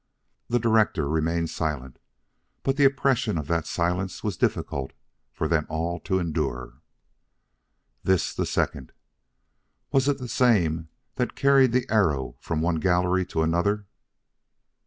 '" The director remained silent; but the oppression of that silence was difficult for them all to endure. "This the second: "'Was it the same that carried the arrow from one gallery to another?'"